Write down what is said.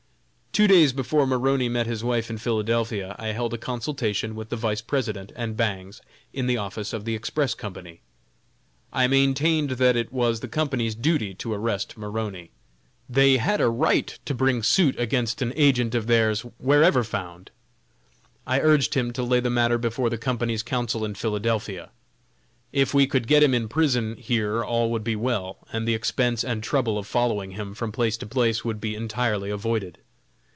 Two days before Maroney met his wife in Philadelphia, I held a consultation with the Vice President and Bangs in the office of the Express Co. I maintained that it was the Company's duty to arrest Maroney. They had a right to bring suit against an agent of theirs wherever found. I urged him to lay the matter before the Company's counsel in Philadelphia. If we could get him in prison here all would be well, and the expense and trouble of following him from place to place would be entirely avoided.